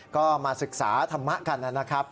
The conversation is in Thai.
ก็มาศึกษาธรรมะกันนะครับ